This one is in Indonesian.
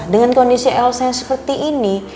dengan kondisi elsa seperti ini